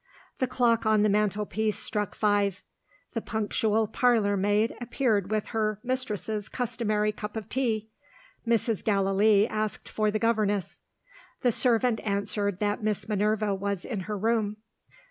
The clock on the mantelpiece struck five; the punctual parlour maid appeared with her mistress's customary cup of tea. Mrs. Gallilee asked for the governess. The servant answered that Miss Minerva was in her room.